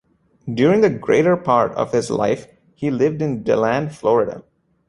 During the greater part of his life he lived in DeLand, Florida.